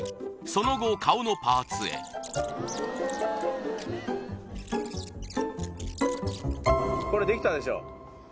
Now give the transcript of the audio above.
その後顔のパーツへこれできたでしょ